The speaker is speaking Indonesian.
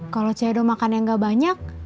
kalau cedo makan yang gak banyak